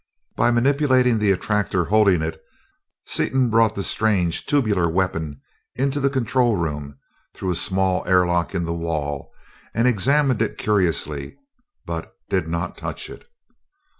By manipulating the attractor holding it, Seaton brought the strange tubular weapon into the control room through a small air lock in the wall and examined it curiously, but did not touch it.